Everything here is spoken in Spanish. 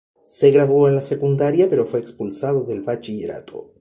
Se graduó en la secundaria, pero fue expulsado del bachillerato.